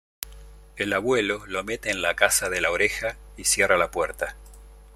El abuelo lo mete en la casa de la oreja y cierra la puerta.